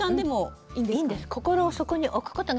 いいんです。